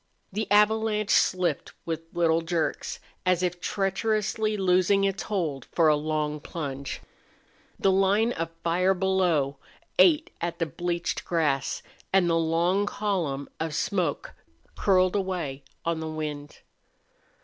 The avalanche slipped with little jerks, as if treacherously loosing its hold for a long plunge. The line of fire below ate at the bleached grass and the long column of smoke curled away on the wind.